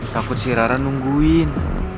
takut si rara nungguin